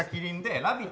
「ラヴィット！」